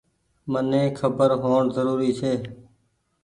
مني کبر هوئڻ زروري ڇي۔